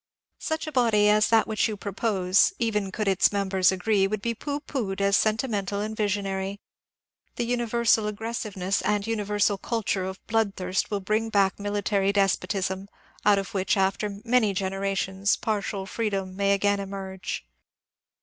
Such a body as that which you propose, even could its members agree, would be pooh poohed as sentimental and visionary. The universal aggressiveness and universal culture of blood thirst will bring back military despotism, out of which, after many generations, partial freedom may again emerge.